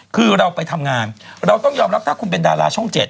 คือเราไปทำงานเราต้องยอมรับถ้าคุณเป็นดาราช่อง๗